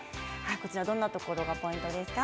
どんなところがポイントですか。